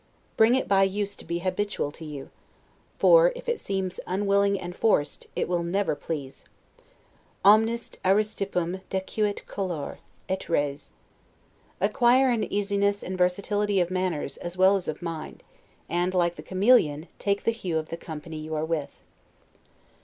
Bring it by use to be habitual to you; for, if it seems unwilling and forced; it will never please. 'Omnis Aristippum decuit color, et res'. Acquire an easiness and versatility of manners, as well as of mind; and, like the chameleon, take the hue of the company you are with.